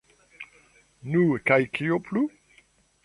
Nu, kaj kio plu?